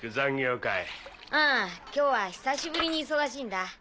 うん今日はひさしぶりに忙しいんだ。